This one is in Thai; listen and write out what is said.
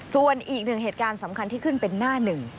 ส่วนอีกหนึ่งเหตุการณ์สำคัญที่ขึ้นเป็นหน้าหนึ่ง